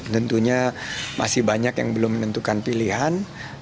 tentunya masih banyak yang belum menentukan pilihan